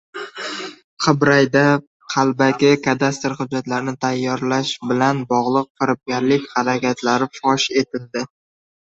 Qibrayda qalbaki kadastr hujjatlarni tayyorlash bilan bog‘liq firibgarlik harakatlari fosh etildi